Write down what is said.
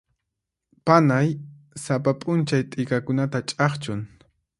Panay sapa p'unchay t'ikakunata ch'akchun.